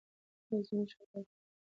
دا زموږ هدف دی.